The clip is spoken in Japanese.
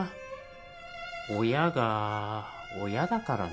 親が親だからなぁ